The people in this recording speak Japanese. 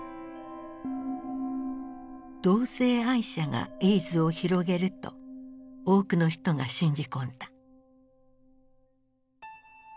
「同性愛者がエイズを広げる」と多くの人が信じ込んだ。